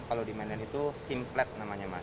kalau di mainan itu simplet namanya mas